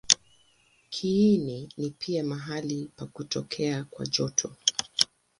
Kiini ni pia mahali pa kutokea kwa joto.